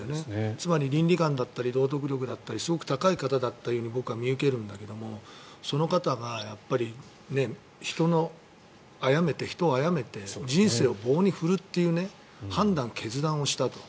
つまり倫理観だったり道徳力だったりがすごく高い方だったように見受けられるんだけどその方が人を殺めて人生を棒に振るという判断、決断をしたと。